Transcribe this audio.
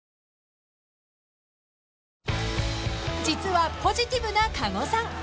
［実はポジティブな加護さん］